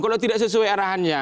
kalau tidak sesuai arahannya